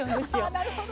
あなるほど。